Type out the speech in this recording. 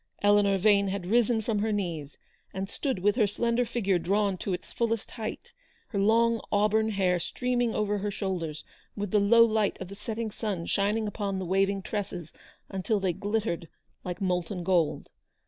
Eleanor Vane had risen from her knees, and stood with her slender figure drawn to its fullest height, her long auburn hair streaming over her shoulders, with the low light of the setting sun shining upon the waving tresses until they glittered like molten gold.